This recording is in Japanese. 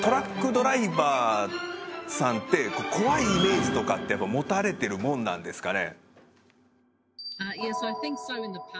ドライバーさんって怖いイメージとかって持たれてるもんなんですかね？